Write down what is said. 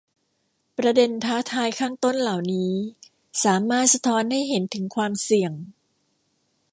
ประเด็นท้าทายข้างต้นเหล่านี้สามารถสะท้อนให้เห็นถึงความเสี่ยง